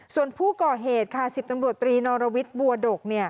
ส่วนผู้ก่อเหตุค่ะ๑๐ตำรวจตรีนอรวิทย์บัวดก